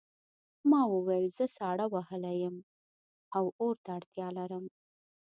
ما وویل زه ساړه وهلی یم او اور ته اړتیا لرم